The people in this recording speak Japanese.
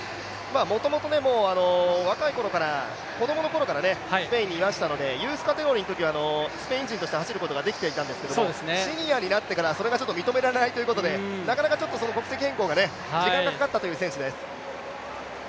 もともと若いころから、子供のころからスペインにいましたからユースカテゴリーのときはスペイン人として走ることができていたんですけどシニアになってからそれがちょっと認められないということでなかなかその国籍変更が時間がかかったという選手です。